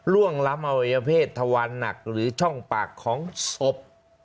ล่วงล้ำอวัยเพศทวารหนักหรือช่องปากของศพ